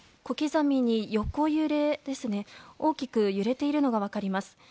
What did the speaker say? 小刻みに横揺れで大きく揺れているのが分かります。